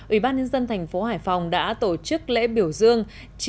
ủy ban nhân dân thành phố hải phòng đã tổ chức lễ biểu dương